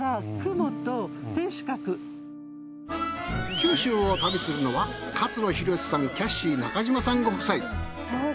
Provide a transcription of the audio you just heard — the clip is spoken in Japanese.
九州を旅するのは勝野洋さんキャシー中島さんご夫妻。